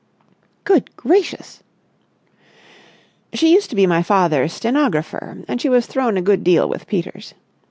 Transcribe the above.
"Good gracious!" "She used to be my father's stenographer, and she was thrown a good deal with Peters.